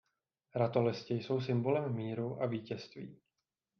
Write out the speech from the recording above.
Ratolesti jsou symbolem míru a vítězství.